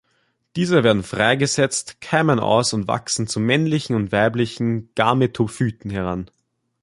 Diese werden freigesetzt, keimen aus und wachsen zu männlichen und weiblichen Gametophyten heran.